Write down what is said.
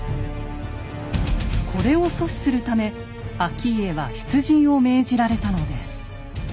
これを阻止するため顕家は出陣を命じられたのです。